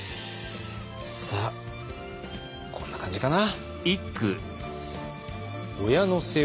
さあこんな感じかな？